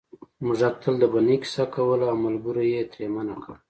موږک تل د بنۍ کیسه کوله او ملګرو یې ترې منع کړ